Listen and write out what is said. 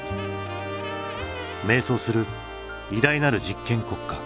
迷走する偉大なる実験国家。